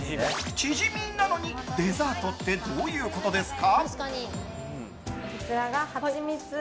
チヂミなのにデザートってどういうことですか？